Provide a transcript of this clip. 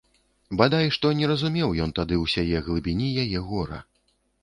Бадай што не разумеў ён тады ўсяе глыбіні яе гора.